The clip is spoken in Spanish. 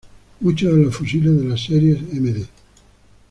Muchos de los fusiles de las series md.